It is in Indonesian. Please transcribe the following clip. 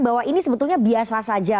bahwa ini sebetulnya biasa saja